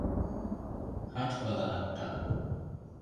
ހަޓް ބަލަހައްޓާ